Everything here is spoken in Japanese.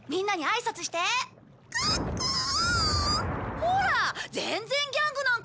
ほら全然ギャングなんかじゃないよ。